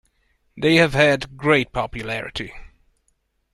They have had great popularity.